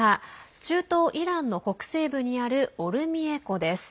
中東イランの北西部にあるオルミエ湖です。